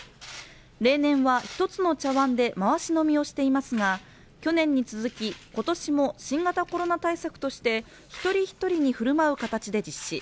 例年は１つの茶碗で回し飲みをしていますが去年に続き、今年も新型コロナ対策として一人一人に振る舞う形で実施。